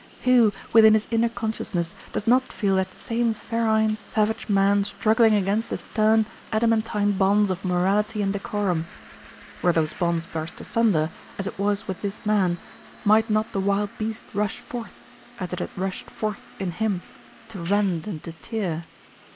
Who, within his inner consciousness, does not feel that same ferine, savage man struggling against the stern, adamantine bonds of morality and decorum? Were those bonds burst asunder, as it was with this man, might not the wild beast rush forth, as it had rushed forth in him, to rend and to tear?